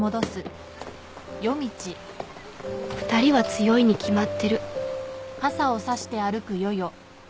２人は強いに決まってる